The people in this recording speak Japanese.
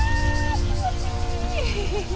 気持ちいい！